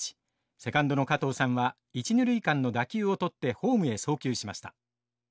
セカンドの嘉藤さんは一二塁間の打球を捕ってホームへ送球しました。